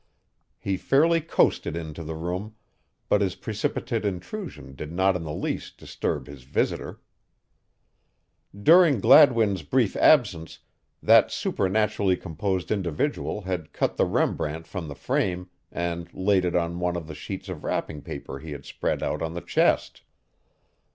He fairly coasted into the room, but his precipitate intrusion did not in the least disturb his visitor. During Gladwin's brief absence that supernaturally composed individual had cut the Rembrandt from the frame and laid it on one of the sheets of wrapping paper he had spread out on the chest.